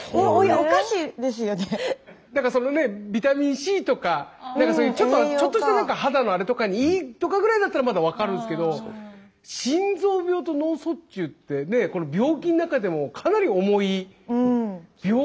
そのねビタミンＣとかそういうちょっとしたなんか肌のあれとかにいいとかぐらいだったらまだ分かるんすけど心臓病と脳卒中って病気の中でもかなり重い。